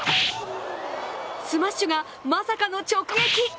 スマッシュがまさかの直撃。